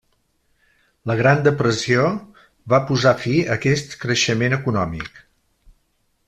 La Gran Depressió va posar fi a aquest creixement econòmic.